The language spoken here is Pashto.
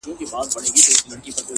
د فکر وضاحت د ژوند ګډوډي کموي